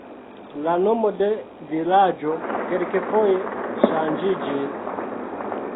La nomo de vilaĝo kelkfoje ŝanĝiĝis.